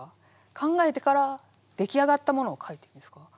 考えてから出来上がったものを書いてるんですか？